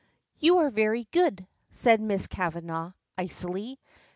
"You are very good!" says Miss Kavanagh icily.